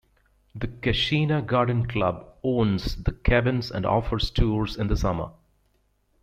The Cassina Garden Club owns the cabins and offers tours in the summer.